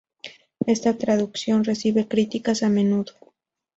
Esta traducción recibe críticas a menudo.